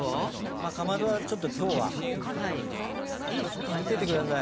まっかまどはちょっときょうは見ててください。